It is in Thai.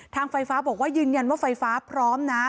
ทางไฟฟ้าบอกว่ายืนยันว่าไฟฟ้าพร้อมนะ